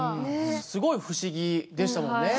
すごい不思議でしたもんね。